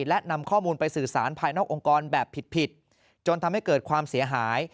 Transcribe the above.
และนำข้อมูลไปสื่อสารภายนอกองค์กรแบบผิดจนทำให้เกิดความเสียหาย